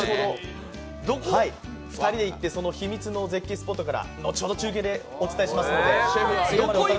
２人で行って、秘密の絶景スポットから後ほど中継でお伝えします。